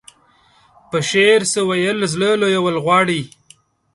په شعر څه ويل زړه لويول غواړي.